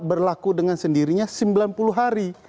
berlaku dengan sendirinya sembilan puluh hari